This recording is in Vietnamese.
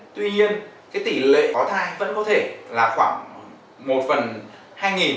tuy nhiên tỉ lệ có thai vẫn có thể là khoảng một phần hai